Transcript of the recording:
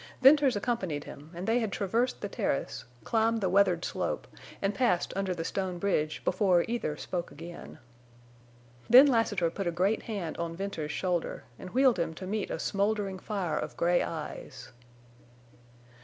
Venters accompanied him, and they had traversed the terrace, climbed the weathered slope, and passed under the stone bridge before either spoke again. Then Lassiter put a great hand on Venters's shoulder and wheeled him to meet a smoldering fire of gray eyes.